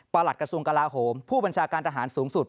หลักกระทรวงกลาโหมผู้บัญชาการทหารสูงสุด